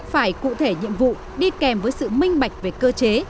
phải cụ thể nhiệm vụ đi kèm với sự minh bạch về cơ chế